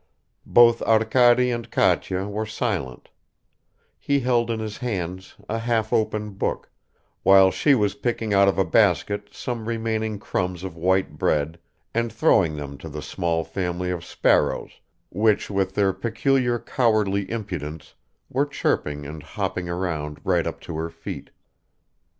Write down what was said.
Both Arkady and Katya were silent; he held in his hands a half open book, while she was picking out of a basket some remaining crumbs of white bread and throwing them to the small family of sparrows which with their peculiar cowardly impudence were chirping and hopping around right up to her feet.